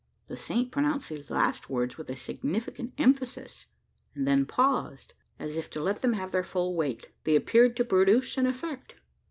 The saint pronounced these last words with a significant emphasis; and then paused, as if to let them have their full weight. They appeared to produce an effect.